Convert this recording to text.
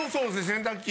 洗濯機